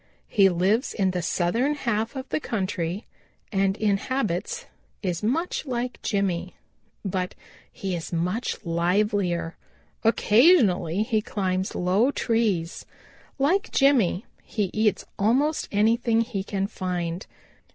He lives in the southern half of the country and in habits is much like Jimmy, but he is much livelier. Occasionally he climbs low trees. Like Jimmy he eats almost anything he can find.